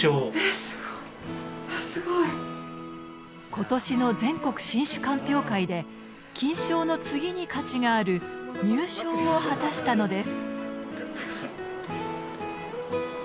今年の全国新酒鑑評会で金賞の次に価値がある入賞を果たしたのです。